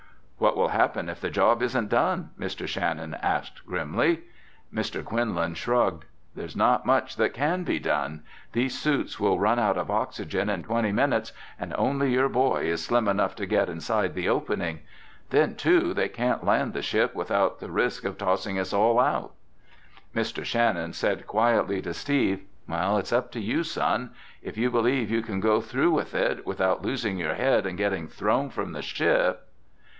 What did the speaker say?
"What will happen if the job isn't done?" Mr. Shannon asked grimly. Mr. Quinlan shrugged. "There's not much that can be done. These suits will run out of oxygen in twenty minutes and only your boy is slim enough to get inside the opening. Then, too, they can't land the ship without the risk of tossing us all out." Mr. Shannon said quietly to Steve, "It's up to you, son. If you believe you can go through with it without losing your head and getting thrown from the ship...."